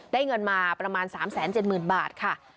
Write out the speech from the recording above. เงินมาประมาณ๓๗๐๐๐บาทค่ะ